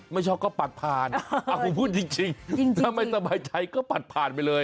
ไม่ชอบก็ปัดผ่านผมพูดจริงถ้าไม่สบายใจก็ปัดผ่านไปเลย